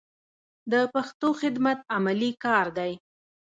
د پښتو خدمت عملي کار دی.